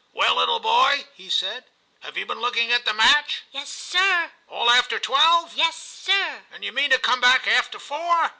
' Well, little boy,' he said, ' have you been looking at the match }'* Yes, sir.' * All after twelve ?'' Yes, sir.' * And you mean to come back after four